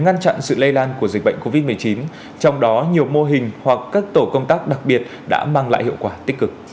ngăn chặn sự lây lan của dịch bệnh covid một mươi chín trong đó nhiều mô hình hoặc các tổ công tác đặc biệt đã mang lại hiệu quả tích cực